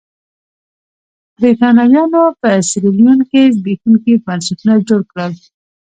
برېټانویانو په سیریلیون کې زبېښونکي بنسټونه جوړ کړل.